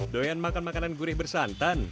doyan makan makanan gurih bersantan